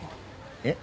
えっ？